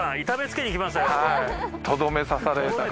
痛めつけにきましたよ。